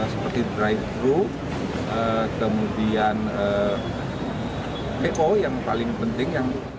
seperti drive thru kemudian p o yang paling penting